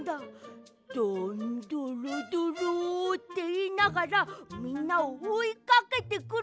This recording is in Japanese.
「どんどろどろ」っていいながらみんなをおいかけてくる。